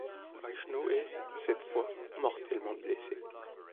Reichenau est, cette fois, mortellement blessé.